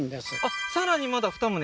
さらにまだ２棟？